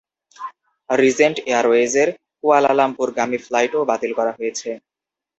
Regent এয়ারওয়েজের কুয়ালালামপুরগামী ফ্লাইটও বাতিল করা হয়েছে।